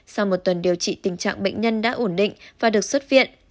sau một tuần điều trị tình trạng bệnh nhân đã ổn định và được xuất viện